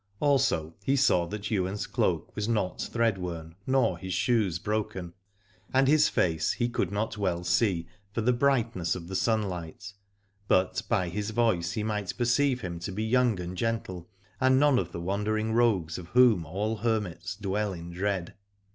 Also he saw that Ywain's cloak was not threadworn nor his shoes broken. And his 26 Aladore face he could not well see for the bright ness of the sunlight, but by his voice he might perceive him to be young and gentle, and none of the wandering rogues of whom all hermits dwell in dread.